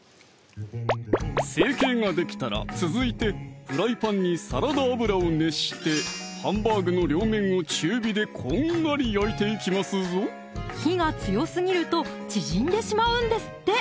成形ができたら続いてフライパンにサラダ油を熱してハンバーグの両面を中火でこんがり焼いていきますぞ火が強すぎると縮んでしまうんですって！